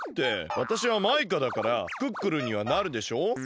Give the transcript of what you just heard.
わたしはマイカだからクックルンにはなるでしょ？